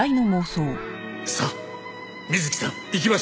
さあ美月さん行きましょう。